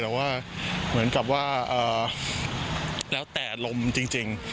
แต่ว่าเหมือนกับว่าแล้วแต่อารมณ์จริง